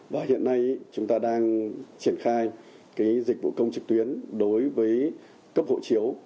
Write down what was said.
và hiện nay chúng ta đang triển khai dịch vụ công trực tuyến đối với cấp hộ chiếu